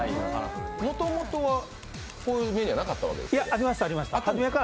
もともとはこういうメニューはなかったんですか？